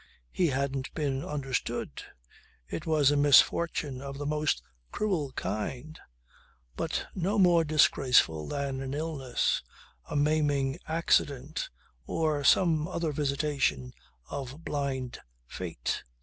He hadn't been understood. It was a misfortune of the most cruel kind but no more disgraceful than an illness, a maiming accident or some other visitation of blind fate.